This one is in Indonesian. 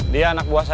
dia anak buah saya